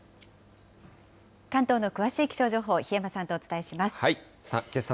関東の詳しい気象情報、檜山さんとお伝えします。